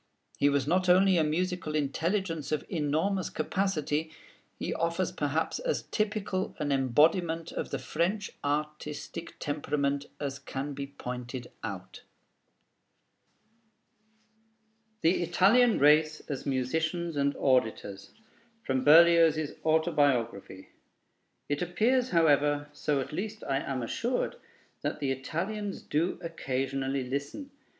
He was not only a musical intelligence of enormous capacity: he offers perhaps as typical an embodiment of the French artistic temperament as can be pointed out. THE ITALIAN RACE AS MUSICIANS AND AUDITORS From Berlioz's Autobiography It appears, however, so at least I am assured, that the Italians do occasionally listen.